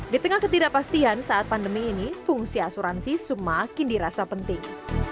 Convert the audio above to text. di tengah ketidakpastian saat pandemi ini fungsi asuransi semakin dirasa penting